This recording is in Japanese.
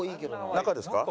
中ですか？